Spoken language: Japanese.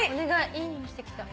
いい匂いしてきた。